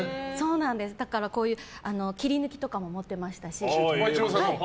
だから切り抜きとかも持ってましたし。